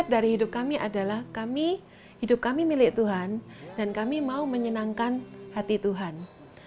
dari hidup kami adalah kami hidup kami milik tuhan dan kami mau menyenangkan hati tuhan